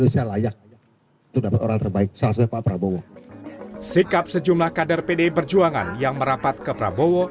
sikap sejumlah kader pdi perjuangan yang merapat ke prabowo